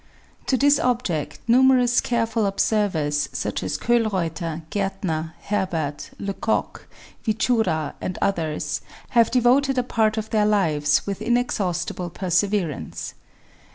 To this object numerous careful observers, such as Kolreuter, Gartner, Herbert, Lecoq, Wichura and others, have devoted a part of their lives with inexhaustible perseverance.